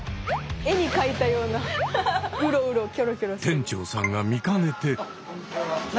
店長さんが見かねて。